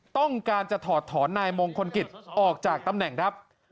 ต้องการจะถอดถอนนายมงคลกิจออกจากตำแหน่งครับ